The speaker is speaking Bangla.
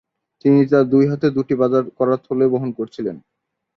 তিনি তার দুই হাতে দুটি বাজার করার থলে বহন করছিলেন।